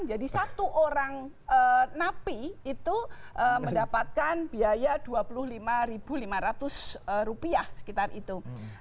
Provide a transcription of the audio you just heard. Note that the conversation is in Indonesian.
jadi satu orang napi itu mendapatkan biaya dua puluh lima lima ratus rupiah sekitar itu